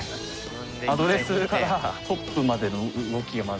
アドレスからトップまでの動きがまず。